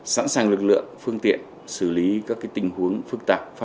sẵn sàng lực lượng phương tiện xử lý các tình huống phức tạp